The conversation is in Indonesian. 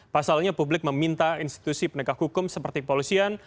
pasalnya publik meminta institusi penegak hukum seperti polisian